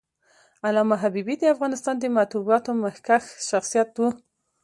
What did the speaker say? علامه حبيبي د افغانستان د مطبوعاتو مخکښ شخصیت و.